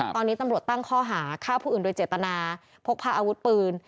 ตอนนี้ตำรวจตั้งข้อหาฆ่าผู้อื่นโดยเจตนาพกพาอาวุธปืน